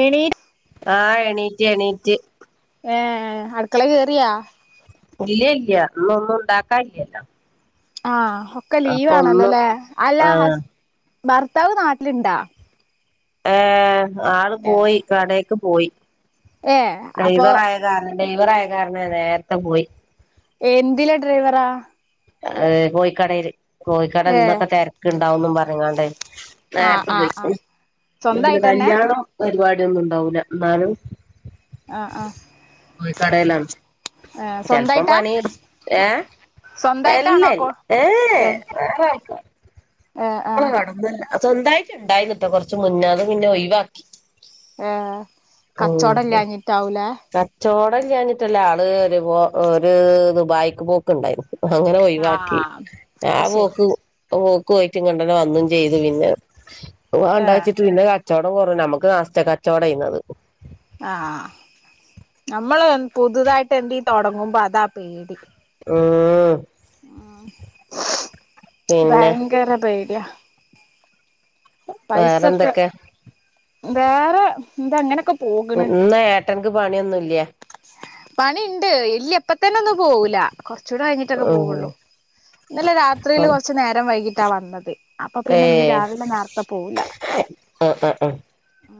എണീ ആ എണീറ്റ് എണീറ്റ് ഏ അടുക്കള കേയറിയാ ഇല്ല ഇല്ല ഇന്ന് ഒന്നും ഉണ്ടാക്കാല്ലല്ലോ ആഹ് ഒക്കൽ ലീ വണല്ലോലേ അല്ല ആഹ് ഹസ്‌ ഭർത്താവ് നാട്ടിലിണ്ടാ ഏ ആള് പോയി കടേക്ക് പോയി ഏ അപ്പൊ ഡ്രൈവറ ആയ കാരണം ഡ്രൈവറ ആയ കാരണം നേരത്തെ പോയി എന്ത്ല ഡ്രൈവറാ ഏ കോഴിക്കടൽ കോഴിക്കട ഏ നിന്നൊക്കെ തിരക്ക് ഉണ്ടാവന്നും പറഞ്ഞാണ്ട്േ ആഹ് നേരത്തെ പോയി ആഹ് ആഹ് സ്വന്തായിട്ടെന്നെ കല്യാണോ പരിപാടി ഒന്നും ഉണ്ടാവൂല്ല ന്നാലും ആഹ് ആഹ് കോയികടയിലാണ് ഏ ചെലപ്പം സ്വന്തായിട്ടാ പണിയടു ഏ സ്വന്തായിട്ടാണോ എല്ലല്ല കൊ ഏ ഏ ഏ നമ്മള കന്ന സൊന്തായിട്ട ഉണ്ടായിന്ന കേട്ടോ കൊറച്ച് മുന്നേ അത് പിന്നെ ഒഴിവാക്കി ഏ കച്ചവടല്ലാഞ്ഞിട്ടാവൂലേ ചോടൽ ഞ്ഞിട്ടല്ല ആള് ഒരു ഇത് ദുബായിക്ക് പോക്ക് ഉണ്ടായിരുന്നു അങ്ങനെ ഒഴിവാക്കി ആഹ് ആ അത് ശരി പോക്ക് പോക്ക് കുറ്റി കണ്ടനെ വന്നും ചെയ്തു പിന്നൊണ്ട ഏ വെച്ചിട്ട് പിന്നെ കച്ചവടം കുറു നമുക്ക് നാസ് കച്ചവടം ചെയ്യുന്നത് ആഹ നമ്മള് പുതുതായിട്ട് എന്ത് തൊടങ്ങുമ്പോ അതാ പേടി ഉം ഉ പിന്നെ ഭയങ്കര പൈര്യ വേറെന്തൊക്കെ വേറെ എന്ത അങ്ങനെയൊക്കെ ഇന്ന ഏട്ടൻക്ക് പണിയൊന്നുംല്ല പണിണ്ട് ഇല്യ എപ്പത്തന്നെ ഒന്നും പോവൂല കുറച്ചുകൂടെ കഴിഞ്ഞിട്ടൊക്കെ ഉം പോവുള്ളൂ ഇന്നലെ രാത്രിയിൽ കൊറച്ച നേരം വൈകിട്ടാ വന്നത് അപ്പൊപിന്നെന്ന് ഏയ് രാവിലെ നാർത്തെ പോവല ആഹ് ആഹ് ആഹ് [unintelligible] ഉ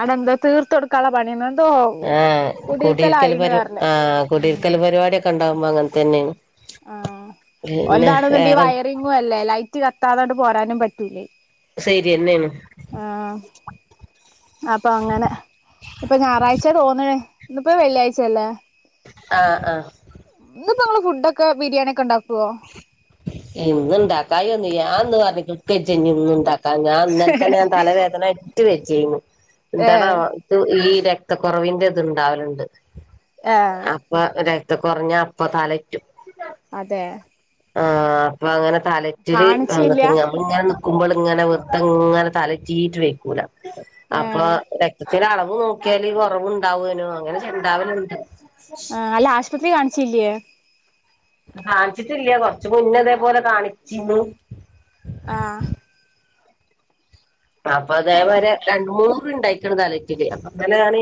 അടെന്താ തീർത്തോടുക്കാൻള്ള പണിയെന്തോ ആഹ് കുടിയിരിക്കൽ പരി ആ കുടിയിരിക്കൽ പരിവാടിയൊക്കെണ്ടാവുമ്പോ അങ്ങ തന്നെയാണ് ആ ഒൽതാണ്ന്ന്ണ്ടി വയറിങ്ങുഅല്ലേ ലൈറ്റ് കത്താതങ്ങട്ട് പോരാനും പറ്റൂലെയ് ശരിയെന്നേണ് അപ്പൊഅങ്ങനെ ഇപ്പൊഞായറാഴ്ച്ചെ തോന്ന്ണ് ഇന്ന്പ്പോ വെള്ളിയാഴ്ചല്ലേ ആ ആ ഇന്ന്പ്പോങ്ങള് ഫുഡോക്കെ ബിരിയാണിയൊക്കെ ഉണ്ടാക്കുവോ ഇന്ന്ണ്ടാക്കായിയൊന്നുല്ല ഞാന്ന്റ ഞ്കേജ്ജ [unintelligible] ന്നണ്ടാക്ക [unintelligible] [unintelligible] ഞാൻന്നലെതന്നെ ഞാൻതലവേദനയിട്ട് വജ്ജെയിന്നു ന്താണോ ഏഹ് ഇക്ക് ഈ രക്തക്കൊറവിന്റെത്ണ്ടാവല്ണ്ട് ഏഹ് അപ്പ അത് കുറഞ്ഞപ്പ തലയിറ്റും അതേ ആ അപ്പളങ്ങനെ തലചിറ്റല് കാണിച്ചില്ല വന്നട്ട് നമ്മൾങ്ങന ടക്കുമ്പോൾ ഇങ്ങനെ വെറുതങ്ങനെ തലറ്റിറ്റ് വെയ്ക്കൂല അപ്പൊ ഏഹ് രക് ചില അളവ് നോക്കിയാല് കുറവുണ്ടാവേനു അങ്ങനെച്ച്ണ്ടാവലുണ്ട് ആ അല്ല ആശുപത്രികാണിചില്ല്യയേ കാണിച്ചിട്ടില്ല കൊറച്ചുമുന്നതേപോലെ കാണിച്ചിന്നു ആ അല്ല അപ്പൊതേവരെ രണ്ട്, മൂന്ന് ണ്ടായിക്കണ് തലക്കിത് അപ്പൊതന്നെഞാന്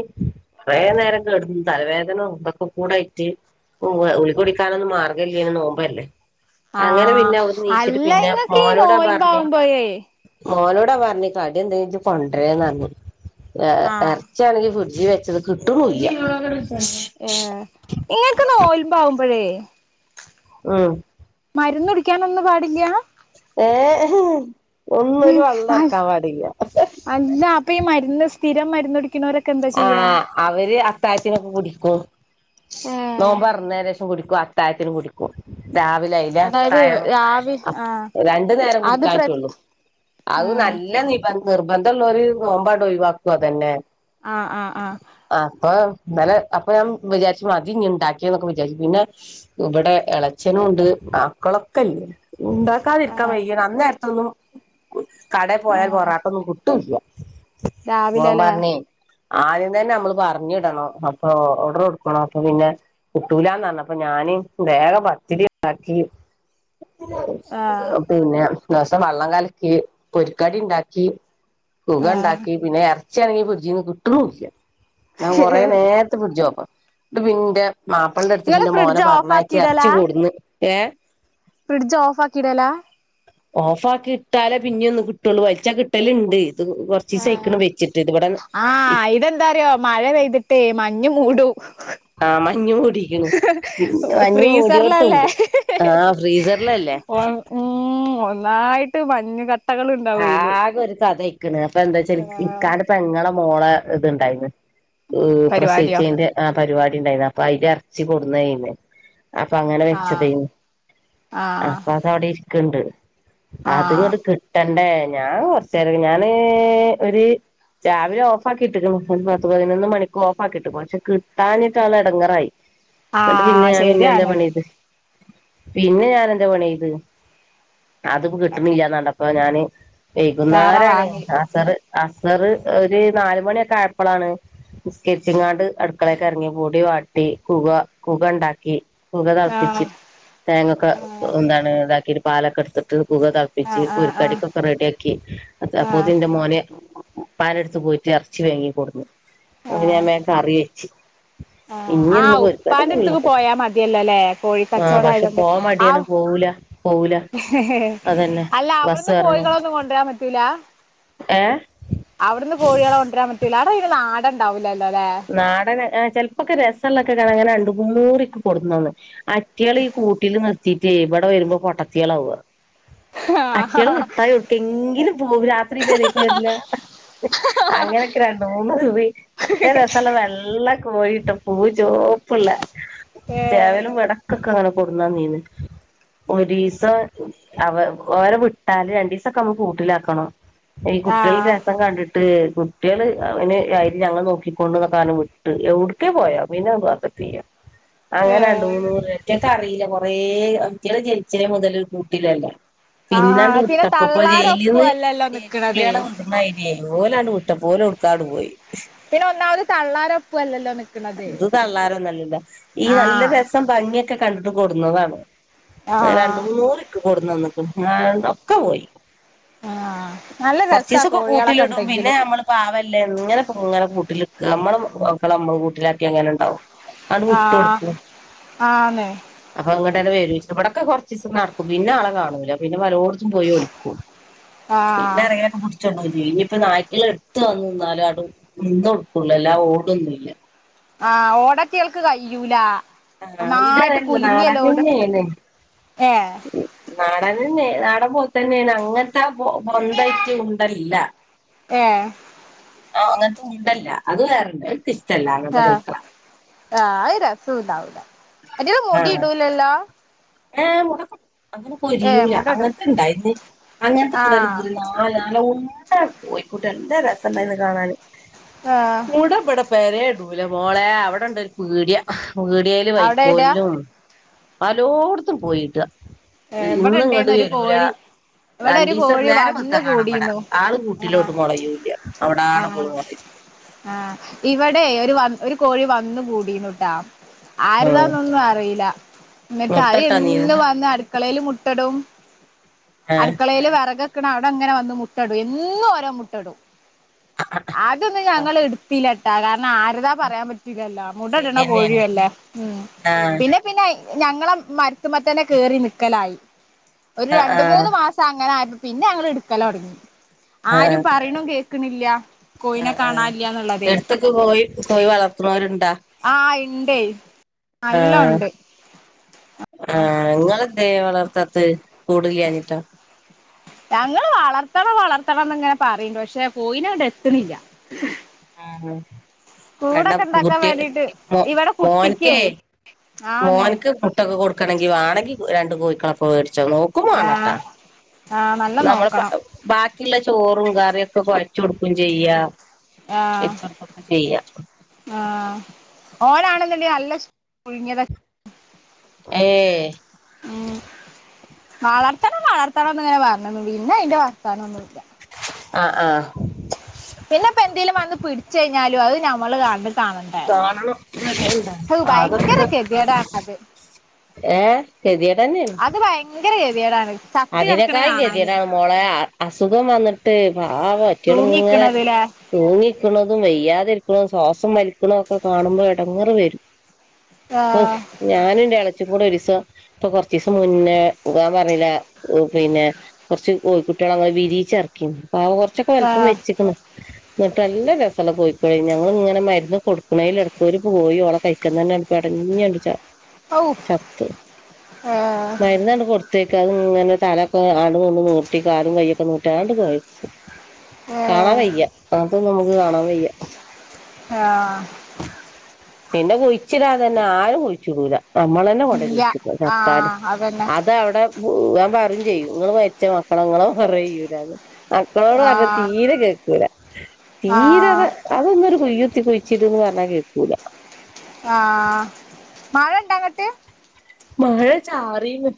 കുറേനേരംകേടന്ന് തലവേദനിതൊക്കെ കൂടായിറ്റ് ഉവ്വ് ഗുളികടിക്കാനൊന്നും മാർഗമല്ല്യ നോമ്പല്ലേ ആഹ് അങ്ങനെപിന്നെ അവ്ട്ന്ന് നീച്ചിട്ട് അല്ല പിന്നെ ഇങ്ങക്ക് ഈ മോനോടാപറഞ് നോൽമ്പാവുമ്പോഴേ മോനോടാ പറഞ്ഞ് കടിയെന്തെങ്കിലും ജ്ജ് കൊണ്ടരേന്നറഞ്ഞു ആഹ് ഇറച്ചിയാണെങ്കി ഫ്രിഡ്ജ് വെച്ച ത് കിട്ട്ണുല്ല ഏ ഇങ്ങൽക്ക്നോൽമ്പാവുമ്പഴേ ‌ ആ മരുന്നുടിക്കാനൊന്നും പാടില്ല്യ ഏ ഉം ഒന്നൊരുവള്ളറക്കാൻപാടില്ല ഇപ്പഈമരുന്ന് സ്ഥിരം മരുന്നുടി ആ അവര് ത്തായത്തിനൊക്കെ കുടിക്കും ഏഹ് നോമ്പൊർന്നേന്റെഷം കുടിക്കും അത്തായത്തിനും കുടിക്കും രാവിലെ അതായത് അയിലത്തായം രാവി ആഹ് അപ്പൊ രണ്ടുനേരം അത് കുടിക്കാ പ്ര റ്റൊള്ളൂ അത ആഹ് നല്ല നിബന്ധ നിർബന്ധള്ളോര് നോമ്പണ്ടൊയ്വാക്കും അതെന്നെ ആ ആ ആ ന്നലെ അപ്പൊഞാൻ വിചാരിച്ചു മതിഞ്ഞ് ണ്ടാക്കിയെന്നൊക്കെ വിചാരിച്ചു പിന്നെ ഇവിടെ ഇളച്ചനുംണ്ട് മക്കളൊക്കെല്ലേ ണ്ടാക്കാതിരിക്കാൻ ആഹ് വയ്യ അന്നേരത്തൊന്നും കടേപോയാ ആഹ് ആഹ് പൊറാട്ടൊന്നുംകുട്ടൂല്ല്യ രാവിലെല്ലേ ആദ്യംതന്നെമ്മള് പറഞ്ഞിടണം അപ്പൊ ഓഡർ കൊടുക്കണം അപ്പൊപിന്നെ കുട്ടൂലാന്നറഞപ്പോ ഞാ ന് വേഗപത്തിരിണ്ടാക്കി ആഹ് പിന്നെ ലേസംവള്ളംകലക്കിപൊരിക്കടി ണ്ടാക്കി [unintelligible] ആഹ് ണ്ടാക്കി പിന്നെ എർച്ചിയാണങ്ങി ഫ്രിഡ്ജ്ന്ന് കിട്ടുണുല്ല ഞാ കൊറേനേര്ത്തെ ഫ്രിഡ്ജ് ഓഫാ ട്ട് പിന്റെ നിങ്ങള് മാപ്പിളന്റെടുത്ത്ക്കിന്റെ മോനെ ഫ്രിഡ്ജ് ഓഫ് പറഞ്ഞയച്ച് എറച്ചി കൊട്ന്ന് ഏഹ് ഫ്രിഡ്ജ്ഓഫാക്കിടല ഓഫാക്കിട്ടാലേപിന്നെയൊന്ന് കിട്ടൊള്ളു വലിച്ചകിട്ടൽണ്ട് ഇത് ആഹ് കൊറച്ചിസായിക്കണ്വെച്ചിട്ട് ഇത് ഇവിടെ ആഹ് ഇതെന്താറിയോ മഴപെയ്തിട്ടേ മഞ്ഞ് മൂടും ആഹ് മഞ്ഞ് മൂടിക്ക്ണ്. പിന്നെ [unintelligible] മഞ്ഞ് ഫ്രീസറിലല്ലേ മൂടിയോട്ത്തുണ്ട് [unintelligible] ആഹ് ഫ്രീസറിലല്ലേ ഉം ഒന്നായിട്ട് മഞ്ഞ് കട് ആകെ ഒരു തദൈ ക്ക്ണ് അപ്പൊന്താച്ചാല് ആഹ് ഇക്കാടെ പെങ്ങളെ മോളെ ഇത്ണ്ടാര്ന്ന് [unintelligible] പരിപാടിയോ പ്രസെയിച്ചേന്റെ ആഹ് പരിപാടിണ്ടായിന് അപ്പൊ അയിന്റെ അറച്ചി കൊടുന്നെന്ന് അപ്പൊ അങ്ങനെ ആഹ് വെച്ചതെയ്ന് അഹ് ആഹ് അപ്പൊ അത്‌വടെ ഇരിക്ണ്ട് ആഹ് അത്ങ്ങ്ട്ട് കിട്ടണ്ടേ ഞാ കൊറെച്ചേ [unintelligible] ഞാന് ഒരു ചവിലെ ഓഫാക്കിട്ട്ക്ക്ണ് ഉം പത്ത് പതിനൊന്ന് മണിക്ക് ഓഫാകിട്ട്ക്കും ക്ഷെ കിട്ടാനിട്ടാണ് എടങ്ങറായി. എന്നിട്ട് പിന്നെ ആഹ് ഞാൻ പിന്നെ എന്താ ശരിയാണ് പണിയ്ത് പിന്നെ ഞാൻെന്റെ പണിയ്ത് അത്പ്പോ കിട്ടുന്നില്ലന്നണ്ടപ്പൊ ഞാന് വേറെ വൈകുന്നേരാണ് വാങ്ങി അസറ് അസറ് ഒരു നാല്മണിയൊക്കെ ആയപ്പളാണ് നിസ്കരിച്ക്കാണ്ട് അടുക്കളേക്ക് അറങ്ങി പൊടി വാട്ടി കുക കുകണ്ടാക്കി. കുക തെളപ്പിച്ച് ആഹ് തേങ്ങൊക്കൊ ആഹ് എന്താണ് ഇതാക്കി പാലൊക്കെ എടുത്തിട്ട്- കുക തെളപ്പിച്ച് ആഹ് ആഹ് ആഹ് പൊരിക്കടിക്കൊക്കെ റെഡിയാക്കി അത് ആഹ് അപ്പൊത്തിന് എന്റെമോനേ- ഉപ്പാന്റെടുത്ത് പോയിട്ട് എറച്ചി വേങ്ങി കൊടുന്ന് ഞാൻ വേഗം കറി വെച്ചു ആ ഉപ്പാന്റെടുത്തേക്ക് ആക്കട്ടെ പോയാ മതിയല്ലോല്ലേ ആഹ് കോഴിക്കച്ചോടം പക്ഷെ ആയതുകൊണ്ട് പോവാൻ മടിയാണ് പോവൂല പോവൂല ഹെ ഹെ അതന്നെ അല്ലാ - ബസ് അവിടുന്ന് കയറണം കോഴികളൊന്നും കൊണ്ടു വരാൻ പറ്റൂല ഏഹ് അവിടുന്ന് കോഴികളെ കൊണ്ടരാൻ പറ്റില്ല അവിടെ അയ്ന് നാടൻ ഇണ്ടാവില്ല നാടൻ ആ ചെലപ്പൊക്കെ രസ യുള്ളതൊക്ക കാണാം അങ്ങനെ അണ്ടുമുന്ന്റിക്ക് കൊടുന്നന്ന്. അറ്റികള് ഈ കൂട്ടില് നിർത്തിട്ടേ ഇവിടെ വരുമ്പോ പൊട്ടത്തിയാളവുക. അറ്റകള് വിട്ടാ എവിടെക്കെങ്കിലും പോവും രാത്രി പേരേക്ക് വര്ല്ല. അങ്ങനൊക്കെ രണ്ട് മൂന്ന്കുറി നല്ല രസയുള്ള വെള്ള കോഴിട്ടോ പൂ ചോപ്പുള്ളെ ഏഹ് ചവലും വടക്കൊക്കെ അങ്ങനെ കൊട്ടുന്നനീന്ന് ഒരീസം അവ ഓരെ വിട്ടാല് രണ്ടീ സൊക്കെ നമ്മുക്ക് കൂട്ടിലാക്കണം. ഈ കുട്ടികൾ ആഹ് രസം കണ്ടിട്ട് കുട്ടികള് അന് ആയിന് ഞങ്ങള് നോക്കി- കൊണ്ടുനടക്കാനും വിട്ട് എവിടക്കോ പോയൊ പിന്നെ അത് ചെയ്യാ അങ്ങനെ രണ്ടു ഏഹ് മൂന്ന് - എനിക്ക് അറിയില്ല കൊറേ അവിറ്റങ്ങൾ ജനിച്ചത് മുതലെ ഒരു കൂട്ടിട്ടല്ല. പിന്നെ അങ്ങ് ആഹ് പിന്നെ വിട്ടപ്പ ഇപ്പൊ തള്ളാരൊപ്പു ജയിലിന്ന് അല്ലല്ലോ ജയിൽ നിക്കണത് പുള്ളിളെ വിട്ന്നമാതിരിയായി ഓലങ്ങട്ട് വി ഇ്ട പോലെ ഉടുക്കാങ്ങട്ട് പോയി. പിന്നെ ഒന്നാവത് ഇത് തള്ളാരോന്നല്ലല്ല ഈ നല്ല ആഹ് രസം ഭംഗിയൊക്കെ ക ഇങ്ങട്ട് കൊടുന്നതാണ് അങ്ങനെ ആഹ് രണ്ട്മുന്നൂറി കൊടുന്നന്നക്കണ് ഒക്കെ പോയി. ആഹ കുറചീസൊക്കെ കൂട്ടിലിടും പിന്നെ നമ്മള് പാവല്ലേ എങ്ങനെപ്പോ ഇങ്ങനെ കൂട്ടിൽ നമ്മളും മക്കളുംമ്മ കൂട്ടിലാക്കി എങ്ങനെ ഉണ്ടാവും അണ് വിട്ട് ആഹ് കൊടുക്കും ആന്ന് അപ്പൊ അങ്ങട്ട് ഇങ്ങട്ട് വരീ ഇവിടൊക്കെ കുറചീസം നടുക്കും പിന്നെ ആളെ കാണൂല പിന്നെ പലോടത്തും പോയി ഒളിക്കും. ആഹ് പിന്നറിയാല്ലോ പുടിച്ചോണ്ടോകും ഇനിയിപ്പ നായ്ക്കള എടുത്ത് വന്നു നിന്നാലും അങ്ങട്ട് തുള്ളല്ലാം ഓടുന്നില്ല ആ ഓടാൻറ്റങ്ങൾക്ക് കയ്യൂല. ആഹ ഒന്നായിട്ട് ഇതതല്ല നാടൻ കുലുങ്ങിയല്ലോട് തന്നെണ് ഏഹ് നാ ൻതന്നെ നാടൻ പോത്തന്നെണ് അങ്ങനത്തെ ആ ബോന്തെച്ചിന്തല്ല. ഏ ആ അങ്ങനത്തെ ഉണ്ടല്ല അത് വേറണ്ട് ആഹ് ആഹ ആഹ് രസുണ്ടാവില്ല അയ്റ്റങ്ങള് ആഹ് മുടി ഇടൂലല്ലോ ഏ മുടക്ക അങ്ങനെ ഏഹ് പോരിയൂല മുട ഇടും അങ്ങനത്തെ ഇണ്ടയിന്ന് അങ്ങനത്തെ പിള്ളേര് ആഹ് ഒരു നാല് നല്ല ഉണ്ട കോഴികു നല്ലരസണ്ടൈന് കാണാന് ആഹ് കൂട്ബ്ടെ പേരെല്ടൂലമോളെ അവിടെണ്ടെ വീടിയ വീടിയൽ അവിടെ ഇടാ വൈക്കോല്ലും പലോടത്തും പോയിട്ട. ഏഹ് ഇവിടെ ഇന്ന് ഇങ്ങട്ട് ഇണ്ടേന്ന് ഒരു വരൂല. കോഴി ഇവിടെ രണ്ട ഒരു ദിവസം കോഴി നേര വത്താ വന്ന് കാണാൻ പട കൂടിന്നു ആള് ആഹ് കൂട്ടിലോട്ട് മുളയൂല്ല അവിട ആടെ ആഹ് പോയി മത്തി. ആഹ് ഇവ- ഇവടെ ഒരു കോഴി വന്നു കൂടിനുട്ടോ ഉം ആരതാണൊന്നുമാറീല. ന്നിട്ട് അത് മുട്ടട്ടാ നീ എന്നും വന്ന് അടു- ട്ടടും ആഹ് അടുക്കളേൽ വിറക്- അവിടങ്ങനെ വന്ന് മുട്ട ഇടും. എന്നും ഓരോ മുട്ടടും. അതൊന്നും ആഹ് ഞങ്ങളെടുത്തിയിലാട്ട കാരണം- ന്നാരതാ പറയാൻ പറ്റൂലല്ലോ മുട്ട ഇടുന്നാ ശരിയന്നെയാണ് കോഴിയല്ലേ മ് ആഹ് പിന്നെപ്പിന്നെ- ഞങ്ങളെ മരുത്തുമത്തന്നെ കറി നക്കലായി ഒര് ആഹ് രണ്ട് ആഹ് മൂന്ന് മാസങ്ങനെ- പിന്നെ ഞങ്ങൾ ഇടക്കലോടങ്ങി ആര് ആഹ് പറയ്‌നും കെക്കുന്നില്ല- കോയിനെ ആഹ് ആഹ് കാണാല്ല്യ ന്നില്ലത് എടുത്തൊക്കെ കോഴി കോഴി വളർത്തുന്നവരുണ്ടാ ആ ഇണ്ടേ. ആ നല്ലോണ്ട് ആ ഇങ്ങളെന്ത വളർ- ത്തത് കൂടില്ലാഞ്ഞിട്ടോ? ഞങ്ങള്ൾ വളർത്തണം വളർത്തണംന്ന് ഇങ്ങനെ പറയണ്ട് പക്ഷെ പോയിട്ടങ്ങട്ടെത്തുനില്ല. ആ പെണ്ട കൂടൊക്കെ ഉണ്ടാക്കാൻ കട്ട വേണ്ടീട്ട് മോ ഇവിടെ കുട്ടിക്കേ മോനക്കേ [unintelligible] ആന്ന് മോന്ക്ക് പേസ്സൊക്കെ കൊടുക്കാണെങ്കി വാണെങ്കി രണ്ട് കോയി- അപ്പൊ വേടിച്ചോ നോക്കും വാണംട്ടോ. ആഹ് ആഹ് നല്ല നമ്മള നോക്കണം ബാക്കിയുള്ള ചോറും കറിയൊക്കെ കുഴച്ച കൊടുക്കും ചെയ്യാ. ആഹ് വെച്ചൊടുക്കൊക്കെ ചെയ്യാ ആഹ് ഓനാണ് ന്ന് ണ്ടെങ്കിൽ അൽ- പുഴുങ്ങിയതാ. ഏ.. ങ്ങണം ന്ന് പറഞ്ഞിനു പിന്നായ്ന്റെ വാർത്താനൊന്നും ഇല്ല. അ ആ.. പിന്നെ പ്പെന്തെങ്കിലും വന്ന് പിടിച് കഴിഞ്ഞാൽ അത് ഞമ്മൾ കണ്ണ് കാണണ്ടേ. ഹൗ ആ ഭയങ്കര അതൊക്കെ ഗതികേടാണ് അത് ഏ. കേതിയെടെന്നെന്ന്. ങ്കര കേതിയെടാൻ. അതിനേക്കായിം കേതിയെടാ മോളെ അസുഖം വന്നിട്ട് പാവം ആയിട്ടങ്ങള് ഇങ്ങനെ- തൂങ്ങിക്കണത് ല്ലേ തൂങ്ങിക്കുന്നതും വെയ്യാതിരിക്കുന്നതും ശ്വാസം വലിക്കണതൊ ഒക്കെ കാണുമ്പോ എടങ്ങേറ് വരും. ഔഫ് ആഹ് ഞാനും ന്റെ ഇളച്ചിം കൂടെ ഒരീസം- പ്പോ കുറച്ചീസം മുന്നേ ഞാൻ പറഞ്ഞീലെ- ഓ പിന്നെ കൊറച്ചു കോയി കുട്ട്യാളെ വിരിച്ചറക്കീനിം. ഔവ് കൊറച്ചൊക്കെ വലിപ്പം ആഹ് വെച്ചക്കന്. ങ്ങട്ട് നല്ല രസല്ല കോഴിക്കലായ്ന് ഞങ്ങൾ ങ്ങനെ മരുന്ന് കൊടുക്കണ ഇടക്ക് ഒരു കോയി ഓളെ കാണിക്കന്നന്നെ- പെടഞ്ഞെങ്ങാട്ട് ഔ ചത്തു. ഏഹ് മരുന്നങ്ങട്ട് കൊടുത്ത- അതങ്ങനെ തലയൊക്കെ നീർത്തി കാലും കയ്യും നീട്ടി അതങ്ങ് പോയി. കാണാൻ വയ്യ അങ്ങനെത്തതൊന്നും നമ്മക്ക് കാണാൻ- വയ്യ ആ.. പിന്നെ കുഴിച്ചിടാൻ തന്നെ ആരും കുഴിച്ചിടൂല. നമ്മളാന്നെ കൊണ്ടോയി ഇല്ല കുഴിച്ചക്കോ ചത്താൽ- ആഹ് അതന്നെ ങ്ങള് മരിച്ച മക്കള് മറയ്യൂലെ. മക്കളോട് പറഞ്ഞ ആഹ് തീരെ കേക്കൂല. തീരങ്ങനെ ആഹ് അതൊന്നൊരു കുയി കുത്തി കുയിച്ട് ന്ന് പറഞ്ഞ കേക്കുല. ആ മഴ ണ്ടങ്ങട്ട്? മഴ ചാറിന്നു.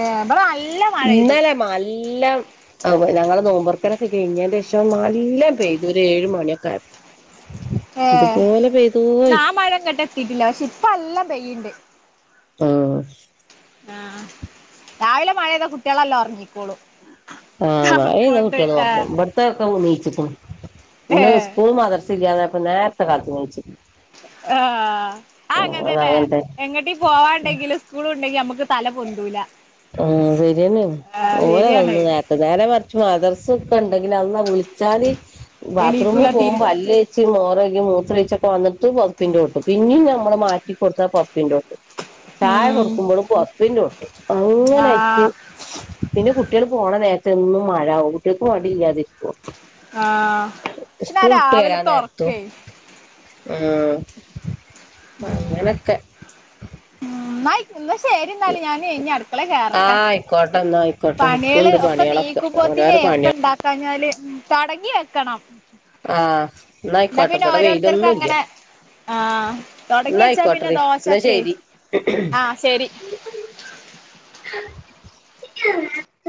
ഏ ബടെ നല്ല്- ഇന്നലെ നല്ല ഞങ്ങള നോമ്പ്- അതൊക്കെ കഴിഞ്ഞതിന്റെ ശേഷം നല്ലോം പെയ്തു ഒരു ഏയ് മണി ഒക്കെ ആയപ്പോ. ഏ ഇതുപോലെ പെയ്തോയി ന്നാ മഴ ഇങ്ങട്ടെതീറ്റില്ല പഷേ പ്പോ നല്ല പേയിട്ട് ണ്ട്. ആ..... ആ രാവിലെ മഴപെയ്താ കുട്ടികളെല്ലാം ഒറങ്ങിക്കോളൂ ആ മഴപെയ്താ കുട്ടികളൊറങ്ങും ഇമ്പടത്തൊക്കെണീറ്റിരിക്ക്ണു ഇന്ന് ഏഹ് സ്കൂളും മാദ്രസ്സയില്ലാതായപ്പോ നേരത്തെ കാലത്തെ എണീച്ചിരിക്കണ് ആ ആ അങ്ങന അത് തന്നെ അങ്ങനത്തെ എങ്ങോട്ടെങ്കി പോവാണ്ടെങ്കിലും സ്കൂൾ ണ്ടെങ്കി നമുക്ക് തല പൊന്തൂല ആ ശരിയന്നാണ് ആഹ് ശരിയാണ് ഓനതൊന്നും നേരത്തെ നേരെമറിച്ച് മദർസൊക്കെണ്ടെങ്കില് അാള്ളാ വിളിച്ച ച്ചാല് ബാത്റൂമ് എണീക്കൂല തിരി പോകുമ്പോ പല്ലേച്ച് മോറഴ്കി മൂത്രൊഴിച്ചൊക്കെ വന്നിട്ട് പൊതപ്പിന്റോട്ടും പിന്നേം നമ്മള് മാറ്റിക്കൊടുത്താ പൊതപ്പിന്റോട്ടും ചായ ഉം കൊടുക്കുമ്പൊളും പൊതപ്പിന്റോട്ടും അങ്ങനായിട്ട് ആഹ് പിന്നെ കുട്ടികൾ പോണനേരത്തെന്നും മഴ കുട്ടികൾക്ക് മടിയില്ലാതിരിക്കുമോ ആ..... പിന്നെ രാവിലത്തൊറക്കേ ആഅങ്ങനൊക്കെ നന്നായി എന്നാ ശരി എന്നാല് ഞാന് ഇനി അടുക്കള ആഹ് കേറട്ടെ ആയിക്കോട്ടെ എന്നാ ആയിക്കോട്ടെ പണികള് ഇക്കുണ്ട് ഒക്കെ പണികളൊക്കെ ണീക്കുമ്പോ ത്തിനെ ഓരോരോ ഒക്ക പണികൾ ഇണ്ടാക്കാഞ്ഞാല് തൊടങ്ങി വെക്കണം ആഹ് എന്നാ ആയിക്കോട്ടെ പിന്നെ ഇവിടെ ഓരോരുത്തർക്കു വെയിലൊന്നും ഇല്ല അങ്ങനെ ആ എന്നാ തുടങ്ങിയെച്ചാ പിന്നെ ആയിക്കോട്ടെടി എന്നാ ദോശൊക്കെ ശരി ആ ശരി [inaudible]